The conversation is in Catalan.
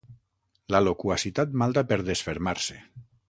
La loquacitat malda per desfermar-se.